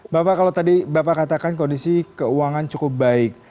bapak kalau tadi bapak katakan kondisi keuangan cukup baik